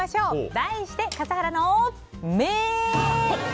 題して、笠原の眼。